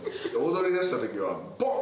踊りだした時はボーン！